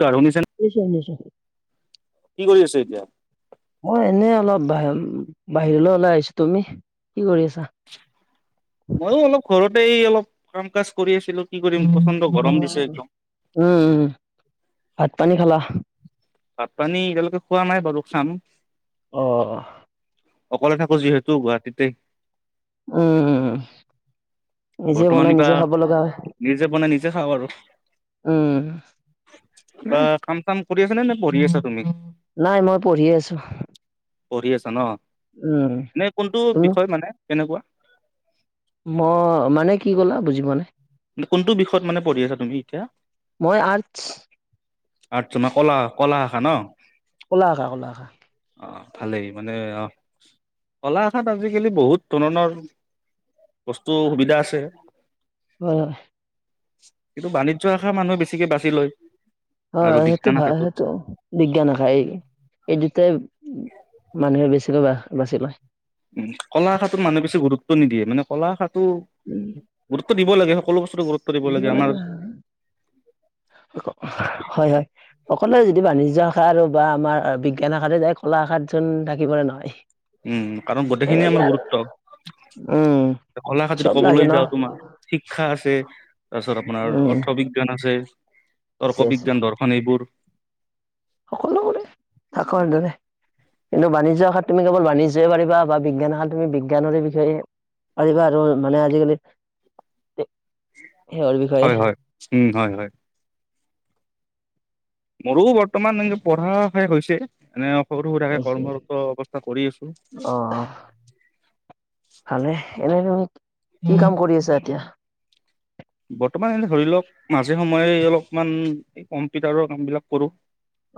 কাৰ শুনিছে নে? নিচ্ছয় নিচ্ছয়। কি কৰি আছ এতিয়া? মই এনে অলপ বাহিৰলৈ ওলাই আহিছো তুমি কি কৰি আছা? মইো অলপ ঘৰতে অলপ কাম কাজ কৰি আছিলো, কি কৰি পচণ্ড গৰম দিছে উম একদম। উম ভাত পানী খালা? ভাত পানী এতিয়ালৈকে খোৱা নাই বাৰু, খাম। অ' অকলে থাকো যিহেতু গুৱাহাটীতে। উম উম বৰ্তমান কিবা নিজে বনাই নিজে খাওঁ আৰু। উম। বা নাই কাম চাম কৰি আছ নে, নে পঢ়ি আছা তুমি? নাই মই পঢ়ি আছো। পঢ়ি আছা ন, উম এনে কোনটো তুমি? বিষয় মানে কেনেকুৱা? মই মানে কি ক'লা বুজ পোৱা নাই? কোনটো বিষয়ত মানে পঢ়ি আছা তুমি এতিয়া? মই আৰ্টছ। আৰ্টছ ন, কলা কলা শাখা ন? কলা শাখা কলা শাখা। অ', ভালেই মানে অ', কলা শাখাত আজিকালি বহুত ধৰণৰ বস্তু সুবিধা আছে। অ'। কিন্তু বাণিজ্য শাখা মানুহে বেছিকে বাচি লয়। হয় আৰু সেইটো বিজ্ঞান ভাল শাখাটোত সেইটো, বিজ্ঞান শাখাই এই এইদুটাই মানুহে বেছিকৈ বা-বাচি লয়। উম, কলা শাখাটোত মানুহে বেছি গুৰুত্ব নিদিয়ে, মানে কলা শাখাটো গুৰুত ৰুত্ব দিব লাগে সকলো বস্তুটো গুৰুত্ব দিব লাগে আমাৰ হয় হয়, সকলেই যদি বাণিজ্য শাখা আৰু বা আমাৰ বিজ্ঞান শাখাতে যায়, কলা শাখাত চোন থাকিবলৈ নহয়। উম, কাৰণ গোটেইখিনি সেইবাবে আমাৰ আৰু গুৰুত্ব। উম কলা শাখাত যদি চব লাগে ন ক'বলৈ যাঁও তোমাৰ, শিক্ষা আছে। তাৰপিছত আপোনাৰ উম অৰ্থবিজ্ঞান আছে, আছে তৰ্ক বিজ্ঞান দৰ্শন এইবোৰ। সকলোবোৰে থাকৰ দৰে। কিন্তু বানিজ্য শাখাত তুমি কেৱল বাণিজ্যই পাৰিবা, বা বিজ্ঞান শাখাত তুমি বিজ্ঞানৰে বিষয়ে পাৰিবা আৰু মানে আজিকালি সেহৰ বিষয়ে হয়-হয়, উম, হয়-হয়। মোৰো বৰ্তমান এনে পঢ়া শেষ হৈছেই, এনে সৰু সুৰাকে কৰ্মৰত অৱস্থা কৰি আছো। ভাল হে এনে তুমি, কি কাম কৰি আছা এতিয়া? বৰ্তমান এনে ধৰি লওঁক মাজে সময়ে অলপমান, কম্পিউটাৰৰ কাম বিলাক কৰোঁ।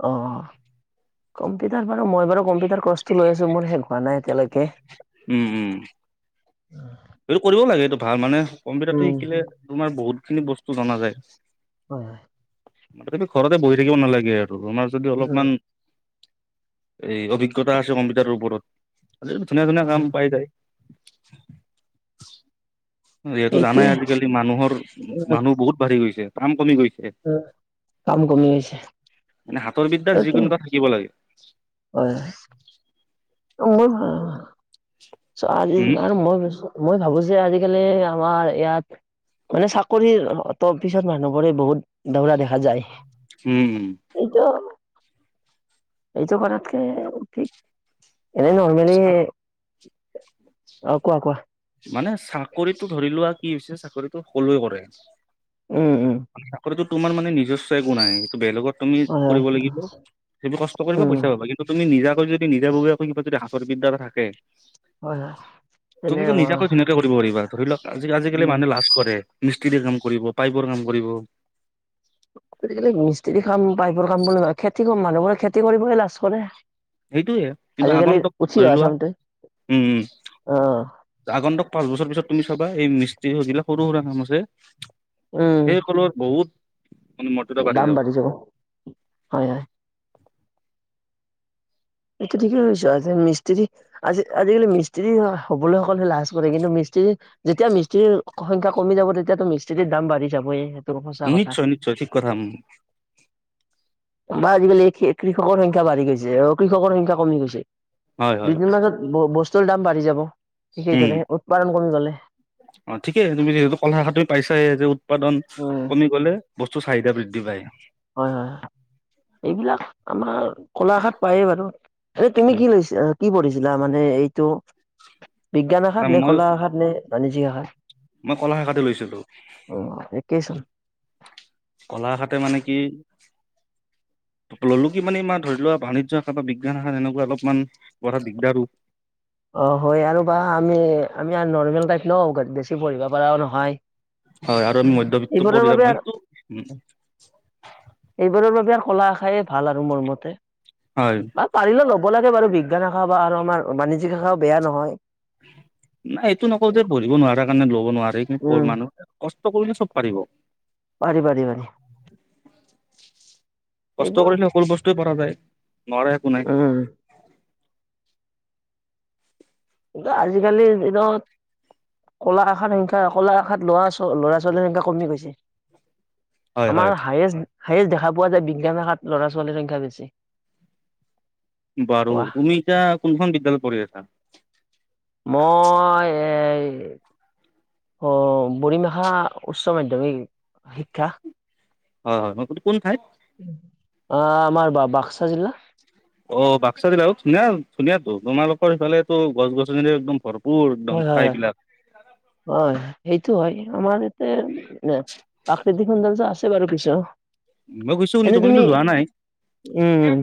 অ', অ'। কম্পিউটাৰ বাৰু মই বাৰু কম্পিউটাৰ কোৰ্চ লৈ আছো, মোৰ শেষ হোৱা নাই এতিয়ালৈকে। উম, উম। এইটো কৰিব লাগে এইটো ভাল মানে কম্পিউটাৰতো উম শিকিলে, তোমাৰ বহুতখিনি বস্তু জনা যায়। হয়, হয়। তথাপি ঘৰতে বহি থাকিব নালাগে আৰু তোমাৰ যদি উম অলপমান এই অভিজ্ঞতা আছে কম্পিউটাৰৰ ওপৰত [unintelligible] কাম হয় পাই যায়। যিহেতু এইটোৱে জানাই আজিকালি মানুহৰ মানুহ বহুত বাঢ়ি গৈছে, কাম কমি গৈ অ', কাম কমি গৈছে। মানে হাতৰ বিদ্যাৰ এইটো যিকোনো এটা থাকিব লাগে। হয় [unintelligible] উম মই ভাবো যে আজিকালি আমাৰ ইয়াত, মানে চাকৰিৰ অত পিছত মানুহবোৰে বহুত দৌৰা দেখা যায়, উম উম এইটো এইটো কৰাতকে ঠিক। এনেই নৰ্মেলি অ', কোৱা-কোৱা। মানে চাকৰিটো ধৰি লোৱা কি হৈছে চাকৰিটো সকলোৱে কৰে। উম উম চাকৰিটো তোমাৰ মানে নিজস্ব একো নাই, এইটো বেলেগৰ তুমি হয় হয় কৰিব লাগিব, যিটো কষ্ট কৰিবা উম পইচা পাবা কিন্তু তুমি নিজা কৈ যদি নিজাববীয়াকৈ কিবা যদি হাতৰবিদ্যা এটা থাকে। হয় হয় তেনে তুমিটো আমাৰ নিজাকৈ ধুনীয়াকৈ কৰিব পাৰিবা, ধৰি লওঁক আজি-আজিকালি উম মানুহে লাজ কৰে। মিস্ত্ৰিৰ কাম কৰিব, পাইপৰ কাম কৰিব। আজিকালি মিস্ত্ৰি কাম পাইপৰ কাম বুলিয়ে নহয়, খেতি মানুহবোৰে খেতি কৰিবলে লাজ কৰে। সেইটোয়ে, কিন্তু আজিকালি আগন্তুক উঠি ধৰি অহা লোৱা চামটোৱে উম, উম। অ আগন্তুক পাঁচবছৰ পিছত তুমি চব এই মিস্ত্ৰী যিবিলাক সৰু সুৰা কাম আছে, উম সেইসকলৰ বহুত দাম বাঢ়ি যাব হয়, হয়। এইটো ঠিকেই কৈছো, আজি মিস্ত্ৰী আজি আজিকালি মিস্ত্ৰী হবলৈ সকলোৱে লাজ কৰে, কিন্তু মিস্ত্ৰী যেতিয়া মিস্ত্ৰীৰ সংখ্যা কমি যাব, তেতিয়াতো মিস্ত্ৰী ৰ দাম বাঢ়ি যাবই। সঁচা কথা। নিশ্চয়, নিশ্চয় ঠিক কথা উম, বা আজিকালি কৃষকৰ সংখ্যা বাঢ়ি গৈছে, অ', কৃষকৰ সংখ্যা কমি গৈছে। হয় হয় দুদিন পাছত ব-বস্তুৰ দাম বাঢ়ি যাব, উম সেইদৰে উৎপাদন কমি গ'লে। অ', ঠিকে তুমি যিহেতু কলা শাখা তুমি পাইছায়ে যে উৎপাদন উম। কমি গ'লে বস্তু চাহিদা বৃদ্ধি পায়। হয়, হয় এইবিলাক আমাৰ কলাশাখাত পায়েই বাৰু। এ, তুমি উম, কি লৈ কি পঢ়িছিলা মানে এইটো বিজ্ঞান না শাখাত নে, মই কলা শাখাত নে, বাণিজ্যিক শাখাত। মই কলা শাখাতে লৈছিলোঁ। অ একেই চোন কলাশাখাতে মানে কি ল'লো কি মানে, ইমান ধৰি লোৱা বাণিজ্য শাখা বা বিজ্ঞান শাখাত এনেকুৱা অলপমান পঢ়া দিগদাৰো। অ', হয় আৰু বা আমি, আমি নৰ্মেল টাইপ ন বেছি পঢ়িব পাৰাও নহয়। হয়, আৰু মধ্যবিত্ত এইবোৰৰ পৰিয়াল বাবে মই। সেইবোৰৰ বাবে আৰু কলা শাখায়ে ভাল আৰু মোৰ মতে হয় বা পাৰিলে ল'ব লাগে। বাৰু বিজ্ঞান শাখা বা আৰু আমাৰ বাণিজ্যিক শাখাও বেয়া নহয়। নাই এইটো নকওঁ যে, পঢ়িব নোৱাৰাৰ কাৰণে ল'ব নোৱাৰে, কিন্তু উম মানুহে কষ্ট কৰিলে চব পাৰিব। পাৰি, পাৰি, পাৰি। কষ্ট এইবোৰ কৰিলে সকলো বস্তুৱে পৰা যায়, নোৱাৰা একো নাই। উম কিন্তু আজিকালিৰ দিনত কলা শাখাৰ সংখ্যা, কলা শাখাত ল'ৰা ছোৱালীৰ সংখ্যা কমি গৈছে। হয় হয় আমাৰ হায়েষ্ট হায়েষ্ট দেখা পোৱা যায়, বিজ্ঞান শাখাত ল'ৰা ছোৱালীৰ সংখ্যা বেছি। বাৰু ৱাহ তুমি এতিয়া কোনখন বিদ্যালয়ত পঢ়ি আছা? মই এই অ', বৰিম্মহা উচ্চ মাধ্যমিক শিক্ষা। হয়, হয় আপুনি কোন ঠাই? আহ, আমাৰ বা-বাক্সা জিলা। অ', বাক্সা জিলা ধুনীয়া ধুনীয়াটো তোমালোকৰ ইফালেটো গছ গছনিৰে একদম ভৰপ পুৰ একদম হয় হয় হয় ঠাইবিলাক। হয়, সেইটো হয়, আমাৰ ইয়াতে প্ৰাকৃতিক সৌন্দৰ্য আছে বাৰু কিছু। মই গৈছো শুনিছো এনেই মই তুমি কিন্তু যোৱা নাই উম,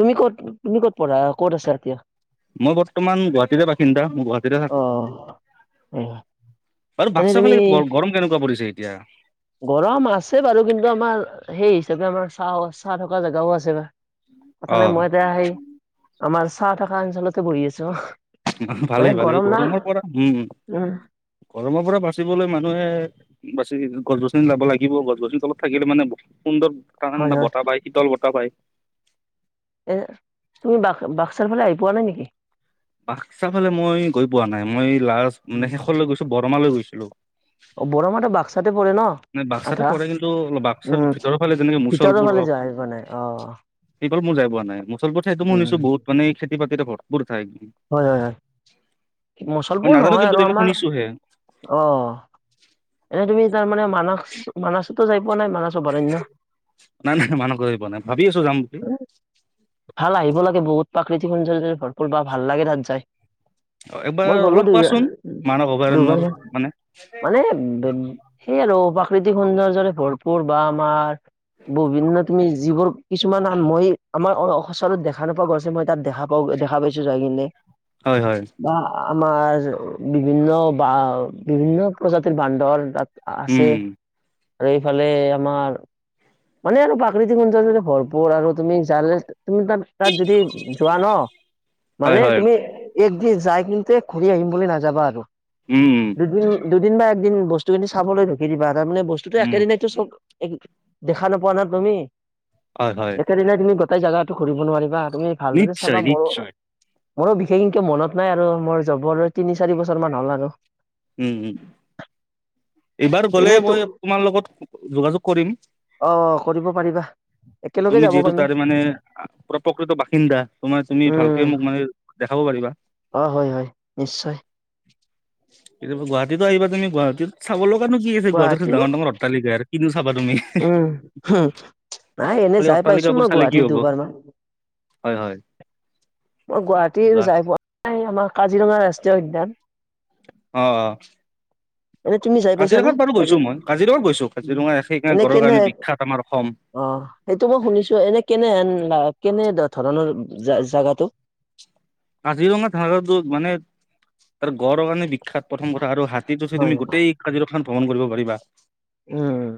তুমি কত তুমি কত পঢ়া ক'ত আছা এতিয়া? মই বৰ্তমান গুৱাহাটীৰে বাসিন্দা মই গুৱাহাটীতে অ থাকো হয় হয়। বাৰু এনে বাক্সা তুমি ফালে গৰম কেনেকুৱা পৰিছে এতিয়া? গৰম আছে বাৰু, কিন্তু আমাৰ সেই হিচাপে আমাৰ ছাঁ-ছাঁ থকা জেগাও আছে বা অ কথা নাই, মই এতিয়া সেই আমাৰ ছাঁ থাকা অঞ্চলতে বহি আছোঁ। ভালেই, ভালেই গৰমৰ পৰা উম, উম গৰমৰ পৰা বাচিবলৈ মানুহে বাছি গছ-গছনি যাব লাগিব, গছ-গছনি তলত থাকিলে মানে সুন্দৰ ঠাণ্ডা, হয় ঠাণ্ডা হয় বতাহ পায়, শীতল বতাহ পায়। এ, তুমি বাক-বাক্সাৰ ফালে আহি পোৱা নাই নেকি? বাক্সা ফালে মই গৈ পোৱা নাই, মই লাষ্ট মানে শেষলৈ গৈছোঁ বৰমালৈ গৈছিলোঁ। অ', বৰমাটো বাক্সাতে পৰে ন? বাক্সাতে আধা পৰে, কিন্তু বাক্সাৰ উম, ভিতৰৰ ফালে যেনেকে ভিতৰৰ মুছলপুৰ ফালে হওক যোৱা আহিব নাই অ'। তলমোৰ যায় পোৱা নাই, মচলপুৰ ঠাইটো মই উম। শুনিছো বহুত মানে খেতি বাতিৰে ভৰ ঠাই। মই মুছলপুৰ নাজানো নহয় কিন্তু আৰু দেই মই আমাৰ শুনিছোহে অ' এনেই তুমি তাৰমানে মানাস মানাসতো যায় পোৱা নাই? মানাস অভয়াৰণ্য। নাই নাই মানাসো গৈ পোৱা নাই। ভাবি আছোঁ যাম বুলি। ভাল আহিব লাগে বহুত প্ৰাকৃতিক সুন্দৰ্যৰে ভৰপূৰ বা ভাল লাগে তাত যায়। [inaudible] এবাৰ অলপ কোৱাচোন মানাহ দুবাৰ অভয়াৰণ্যৰ মান মানে সেয়ে আৰু প্ৰাকৃতিক সৌন্দৰ্যৰে ভৰপুৰ বা আমাৰ বভিন্ন তুমি যিবোৰ কিছুমান আ, মই আমাৰ সচৰত দেখা নোপোৱা গছ সেই মই তাত দেখা পাও, দেখা পাইছো যায় কিনে হয় হয় বা আমাৰ বিভিন্ন বা বিভিন্ন প্ৰজাতিৰ বান্দৰ তাত আছে উম আৰু এইফালে আমাৰ মানে আৰু প্ৰাকৃতিক সৌন্দৰ্যৰে ভৰপূৰ আৰু তুমি জালে তুমি তাত তাত যদি যোৱা ন' হয় মানে হয় তুমি একদিন যাই কিন্তে ঘূৰি আহিম বুলি নাযাবা আৰু। উম। দুদিন দুদিন বা একদিন বস্তুখিনি চাবলৈ ৰখি দিবা তাৰমানে বস্তুটো উম একেদিনতো চব দেখা নোপোৱা ন' তুমি। হয় হয় একেদিনাই তুমি গোটেই জাগাটো ঘূৰিব নোৱাৰিবা। তুমি ভালদৰে চাবা। নিশ্চয় ময়ো নিশ্চয় মোৰো বিশেষ ইংকে মনত নাই আৰু মোৰ জবৰো তিনি চাৰি বছৰ মান হ'ল আৰু। উম, উম, এইবাৰ গলে এনেইতো মই তোমাৰ লগত যোগাযোগ কৰিম। অ', অ' কৰিব পাৰিবা। একেলগে তুমি যাব যিহেতু পাৰিম তাৰেমানে পুৰা প্ৰকৃত বাসিন্দা, তোমাৰ তুমি উম ভালকে মোক মানে দেখাব পাৰিবা। অ' হয় হয় নিশ্চয়। কেতিয়াবা গুৱাহাটীতো আহিবা তুমি, গুৱাহীত চাব লগানো কি আছে গুৱাহাটীত খালি গুৱাহাটী ডাঙৰ ডাঙৰ অট্টালিকাই। চাবা তুমি। উম হুম নাই এনে খালি যাই পাইছো অট্টালিকাবোৰ মই চালে কি গুৱাহাটীত হ'ব? দুবাৰ মান হয় হয়। মই গুৱাহাটী যোৱা যাই পোৱা নাই, আমাৰ কাজিৰঙা ৰাষ্ট্ৰীয় উদ্যান অ', অ'। এনে তুমি যায় পাইছা নে? কাজিৰঙাত বাৰু কাজি, গৈছো মই কাজিৰঙাত গৈছো কাজিৰঙা সেইকাৰণে এনে গড়ৰ কেনে? কাৰণে বিখ্যাত আমাৰ অসম অ' সেইটো মই শুনিছোঁ। এনে কেনেহেন কেনেধৰণৰ জা-জাগাটো? কাজিৰঙা থানাটোত মানে তাৰ গড়ৰ কাৰণে বিখ খ্যাত প্ৰথম কথা আৰু হাতীত উঠি হয় তুমি গোটেই কাজিৰঙাখন ভ্ৰমণ কৰিব পাৰিবা। উম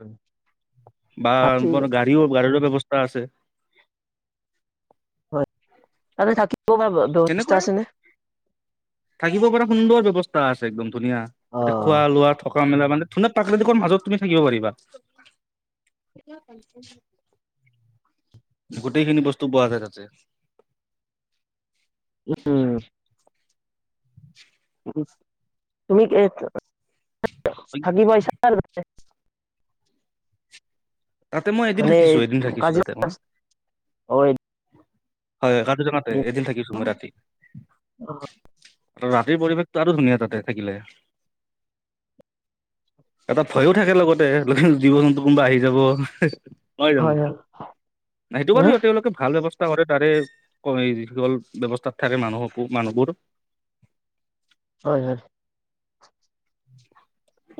বা হাতী গাড়ীও গাড়ীলৈ অবস্থা আছে। হয় তাতে থাকিব কবাৰ তেনেকুৱা ব্যৱস্থা আছেনে? থাকিব পৰা সুন্দৰ ব্যৱস্থা আছে একদম ধুনীয়া, অ তাতে খোৱা লোৱা থকা মেলা মানে ধু প্ৰাকৃতিকৰ মাজত তুমি থাকিব পাৰিবা। গোটেইখিনি বস্তু পোৱা যায় তাতে? উম। [unintelligible] থাকি পাইছা তাতে? তাতে মই এদিন মানে থাকিছো এদিন থাকিছো তাতে কাজিৰঙা মই। হয় কাজিৰঙাতে এদিন থাকিছো মই ৰাতি। ৰাতিৰ পৰিৱেশটো আৰু ধুনীয়া তাতে থাকিলে। এটা ভয়ো থাকে লগতে লগ জীৱ জন্তু কোনোবা আহি যাব। হয় জানো? সেইটো বাৰু উম তেওঁলোকে ভাল ব্যৱস্থা [unintelligible] যিসকল ব্যৱস্থাত থাকে মানুহকো মানুহবোৰ। হয় হয়।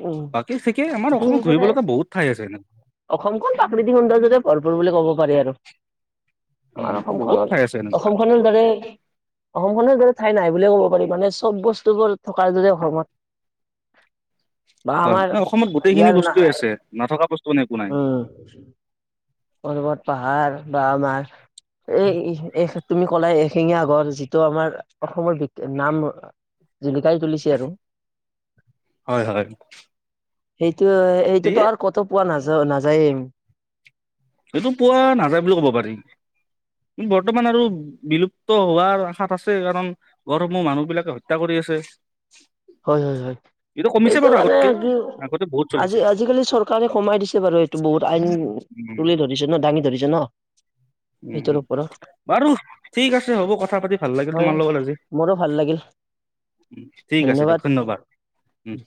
উম বাকী ঠিকেই আমাৰ অসমত ঘুৰিব সেইমতে লগা বহুত ঠাই আছে এনে। অসমখন প্ৰাকৃতিক সৌন্দৰ্যৰে ভৰপূৰ বুলি ক'ব পাৰি আৰু। আমাৰ উম অসম বহুত খনৰ ঠাই আছে এনেকুৱা অসম খনৰ দৰে অসমখনৰ দৰে ঠাই নাই। বুলিও ক'ব পাৰি, মানে চব বস্তুবোৰ থকা যদি অসমত বা হয আমাৰ মানে অসমত গোটেইখিনি ইয়াৰ না বস্তুৱে আছে, নথকা বস্তু মানে একো নাই উম, পৰ্বত পাহাৰ বা আমাৰ এই [unintelligible] তুমি ক'লাই এশিঙীয়া গঁড়, যিটো আমাৰ অসমৰ বি নাম জিলিকাই তুলিছে আৰু। 'হয়'-'হয়' সেইটো-সেইটোতো আৰু কতো পোৱা নাযা-নাযায়েই। সেইটো পোৱা নাযায় বুলি কব পাৰি। বৰ্তমান আৰু বিলুপ্ত হোৱাৰ আশাত আছে কাৰণ, গঁড় সমূহ মানুহ বিলাকে হত্যা কৰি আছে। হয় হয় হয় কমিছে এইটো বাৰু মানে আগতকে কি আগতে বহুত চলিছিল আজি-আজিকালি চৰকাৰে সোমাই দিছে বাৰু এইটো বহুত আইন উম তুলি ধৰি ৰিছে ন, দাঙি ধৰিছে ন' উম, সেইটোৰ ওপৰত বাৰুঠিক আছে হ'ব, কথা পাতি ভাল লাগিল তোমাৰ লগত আজি। ৰু ভাল লাগিল। উম, ঠিক আছে দিয়ক, ধন্যবাদ। উম,